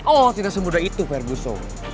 oh tidak semudah itu verbuso